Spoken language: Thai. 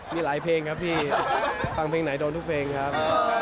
มีหลายเพลงครับพี่ฟังเพลงไหนโดนทุกเพลงครับ